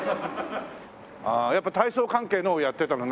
やっぱ体操関係のをやってたの？